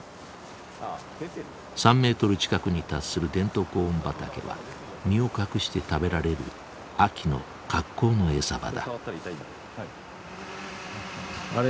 ３メートル近くに達するデントコーン畑は身を隠して食べられる秋の格好の餌場だ。